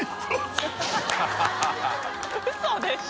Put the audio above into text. ウソでしょ？